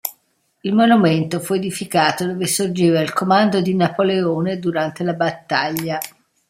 Il monumento fu edificato dove sorgeva il comando di Napoleone durante la battaglia.